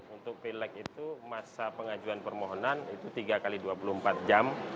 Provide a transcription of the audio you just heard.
untuk pilek itu masa pengajuan permohonan itu tiga x dua puluh empat jam